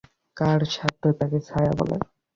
কার সাধ্য তাকে ছায়া বলে?